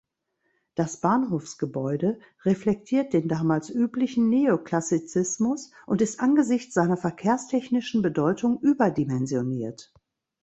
Das Bahnhofsgebäude reflektiert den damals üblichen Neoklassizismus und ist angesichts seiner verkehrstechnischen Bedeutung überdimensioniert.